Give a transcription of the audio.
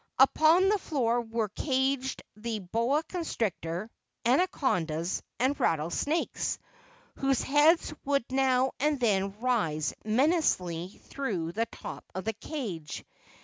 Upon the floor were caged the boa constrictor, anacondas and rattlesnakes, whose heads would now and then rise menacingly through the top of the cage.